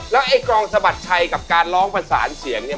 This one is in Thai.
แล้วไอ้กรองสะบัดชัยกับการร้องประสานเสียงเนี่ย